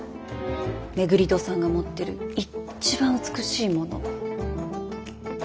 廻戸さんが持ってるいっちばん美しいもの。